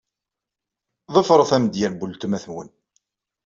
Ḍefret amedya n weltma-twen.